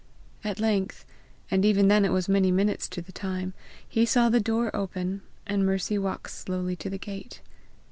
At length and even then it was many minutes to the time he saw the door open, and Mercy walk slowly to the gate.